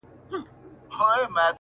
چي د مندر کار د پنډت په اشارو کي بند دی،